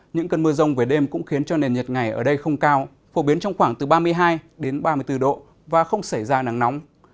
những cơn mưa rông về đêm cũng khiến cho nền nhiệt ngày ở đây không cao phổ biến trong khoảng từ ba mươi hai đến ba mươi bốn độ và không xảy ra nắng nóng